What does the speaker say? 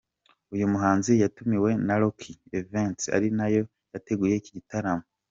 Uyu muhanzi yatumiwe na Rock Events ari nayo yateguye iki gitaramo.